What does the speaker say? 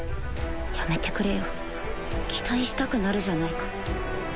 やめてくれよ期待したくなるじゃないか